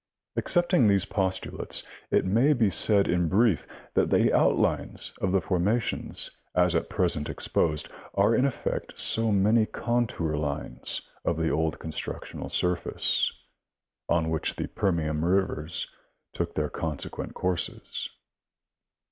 Accepting these postulates, it may be said in brief that the outlines of the formations as at present exposed are in effect So many contour lines of the old constructional surface, on which the Permian rivers took their consequent courses.